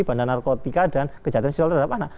bantuan narkotika dan kejahatan sosial terhadap anak